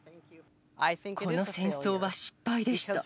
この戦争は失敗でした。